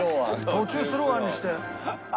途中スローあんにして。